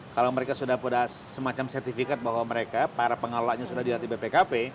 kalau mereka sudah punya semacam sertifikat bahwa mereka para pengelolanya sudah dilatih bpkp